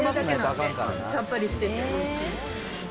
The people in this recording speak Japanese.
さっぱりしてておいしい。